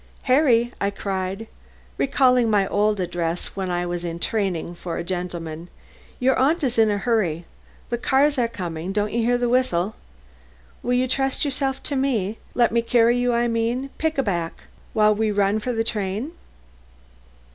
"Harry," I cried, recalling my old address when I was in training for a gentleman; "your aunt is in a hurry. The cars are coming; don't you hear the whistle? Will you trust yourself to me? Let me carry you I mean, pick a back, while we run for the train."